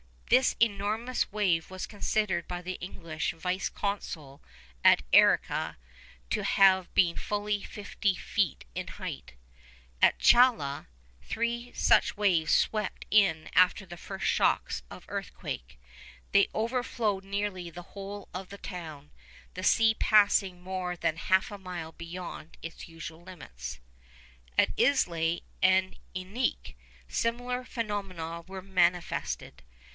This enormous wave was considered by the English vice consul at Arica to have been fully fifty feet in height. At Chala, three such waves swept in after the first shocks of earthquake. They overflowed nearly the whole of the town, the sea passing more than half a mile beyond its usual limits. At Islay and Iquique similar phenomena were manifested.